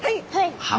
はい。